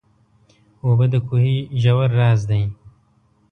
اوبه د کوهي ژور راز دي.